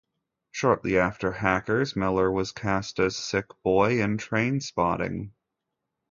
Shortly after "Hackers", Miller was cast as Sick Boy in "Trainspotting".